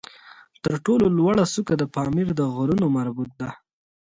تر ټولو لوړه څوکه د پامیر د غرونو مربوط ده